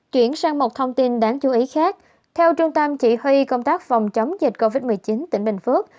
chuyển sang một thông tin đáng chú ý khác theo trung tâm chỉ huy công tác phòng chống dịch covid một mươi chín tỉnh bình phước